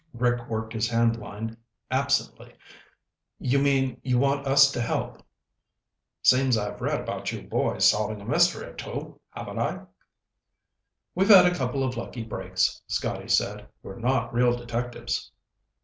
Rick worked his hand line absently. "You mean you want us to help?" "Seems I've read about you boys solving a mystery or two, haven't I?" "We've had a couple of lucky breaks," Scotty said. "We're not real detectives."